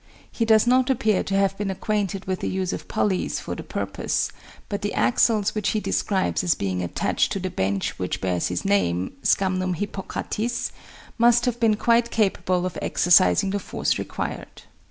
He does not appear to have been acquainted with the use of pulleys for the purpose, but the axles which he describes as being attached to the bench which bears his name (Scamnum Hippocratis) must have been quite capable of exercising the force required.